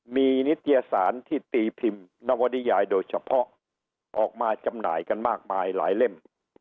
มีนิตยสารที่ตีพิมพ์นวนิยายโดยเฉพาะออกมาจำหน่ายกันมากมายหลายเล่ม